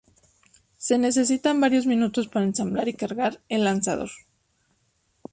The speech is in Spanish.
Se necesitan varios minutos para ensamblar y cargar el lanzador.